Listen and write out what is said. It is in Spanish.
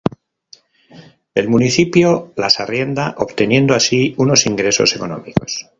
El municipio las arrienda, obteniendo así unos ingresos económicos.